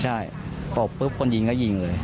ใช่ตบคนยิงก็ยิงเลย